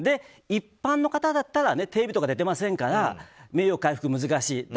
一般の方だったらテレビとか出てませんから名誉回復難しい。